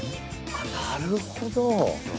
なるほど！